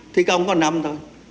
thi công còn năm thôi